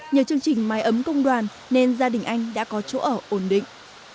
nhờ chương trình mái ấm công đoàn nên gia đình anh đã có chỗ ở ổn định